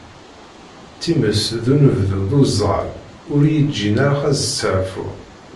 Times d unebdu d uzeɣal ur yi-ǧǧin ara ad steɛfuɣ.